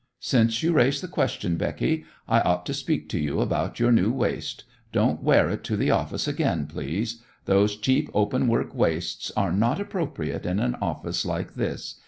Since you raise the question, Becky, I ought to speak to you about your new waist. Don't wear it to the office again, please. Those cheap open work waists are not appropriate in an office like this.